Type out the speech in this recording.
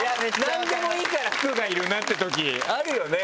何でもいいから服がいるなってときあるよね？